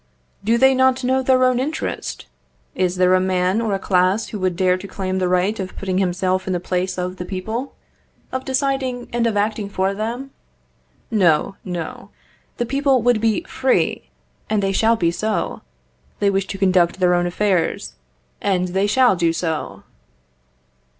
Do they not know their own interest? Is there a man or a class who would dare to claim the right of putting himself in the place of the people, of deciding and of acting for them? No, no; the people would be free, and they shall be so. They wish to conduct their own affairs, and they shall do so.